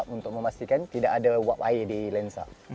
untuk memastikan tidak ada uap air di lensa